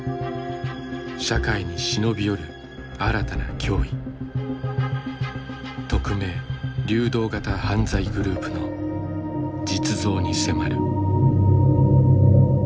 社会に忍び寄る新たな脅威匿名・流動型犯罪グループの実像に迫る。